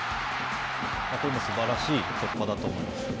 これもすばらしい突破だと思います。